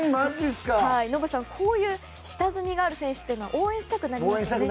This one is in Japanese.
ノブさん、こういう下積みがある選手って応援したくなりますよね。